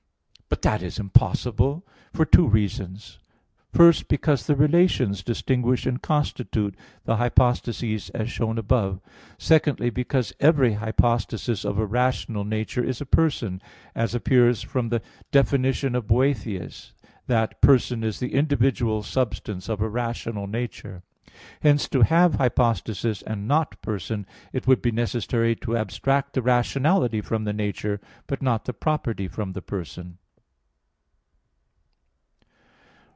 But this is impossible, for two reasons: first, because the relations distinguish and constitute the hypostases, as shown above (A. 2); secondly, because every hypostasis of a rational nature is a person, as appears from the definition of Boethius (De Duab. Nat.) that, "person is the individual substance of a rational nature." Hence, to have hypostasis and not person, it would be necessary to abstract the rationality from the nature, but not the property from the person.